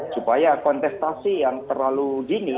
supaya kontestasi yang terlalu dini